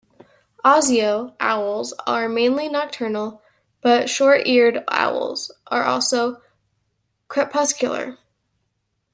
"Asio" owls are mainly nocturnal, but short-eared owls are also crepuscular.